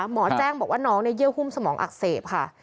หมอแจ้งบอกว่าน้องเยื่อหุ้มสมองอักเสบค่ะ